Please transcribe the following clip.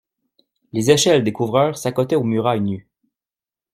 Les échelles des couvreurs s'accotaient aux murailles nues.